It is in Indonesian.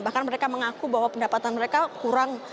bahkan mereka mengaku bahwa pendapatan mereka kurang